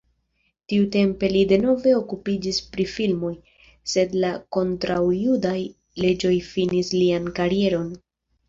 Tiutempe li denove okupiĝis pri filmoj, sed la kontraŭjudaj leĝoj finis lian karieron.